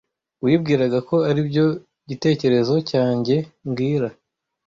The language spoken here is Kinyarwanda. Wibwiraga ko aribyo gitekerezo cyanjye mbwira